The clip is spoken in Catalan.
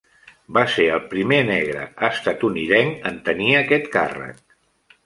Va ser el primer negre estatunidenc en tenir aquest càrrec.